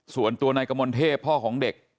ส่วนตัวนายกมลเทพพ่อของเด็ก